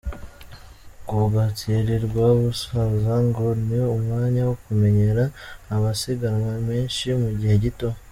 Kubwa Thierry Rwabusaza ngo ni umwanya wo kumenyera amasiganwa menshi mu gihe gito.